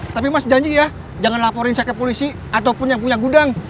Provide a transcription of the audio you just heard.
tapi mas janji ya jangan laporin saya ke polisi ataupun yang punya gudang